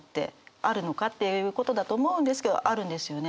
っていうことだと思うんですけどあるんですよね。